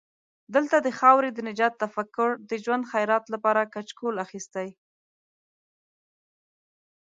دلته د خاورې د نجات تفکر د ژوند خیرات لپاره کچکول اخستی.